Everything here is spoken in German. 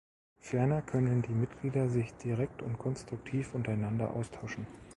Ferner können die Mitglieder sich direkt und konstruktiv untereinander austauschen.